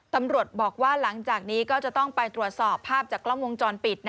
ตำรวจบอกว่าหลังจากนี้ก็จะต้องไปตรวจสอบภาพจากกล้องวงจรปิด